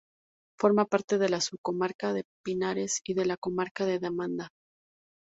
Forma parte de la subcomarca de Pinares y de la comarca de La Demanda.